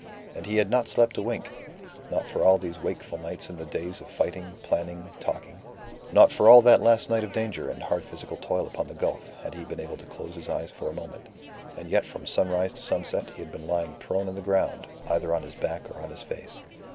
And he had not slept a wink. Not for all these wakeful nights and the days of fighting, planning, talking; not for all that last night of danger and hard physical toil upon the gulf, had he been able to close his eyes for a moment. And yet from sunrise to sunset he had been lying prone on the ground, either on his back or on his face.